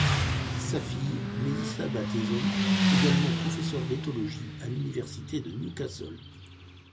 Sa fille, Melissa Bateson, également professeur d'éthologie à l'université de Newcastle.